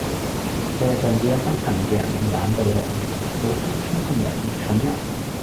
世界上只有分勤力嘅人同懶惰嘅人，冇分聰明人同蠢人